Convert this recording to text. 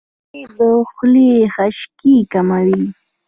بېنډۍ د خولې خشکي کموي